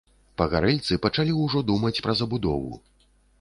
Пагарэльцы пачалі ўжо думаць пра забудову.